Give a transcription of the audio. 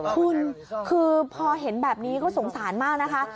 คุณคือพอเห็นแบบนี้ก็สงสารมากนะคะ